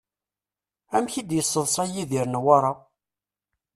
Amek i d-yesseḍṣay Yidir Newwara?